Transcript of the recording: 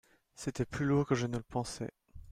C'était plus lourd que je ne le pensais.